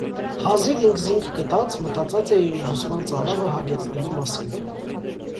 Հազիւ ինքզինք գտած՝ մտածած է ի ուսման ծարաւը յագեցնելու մասին։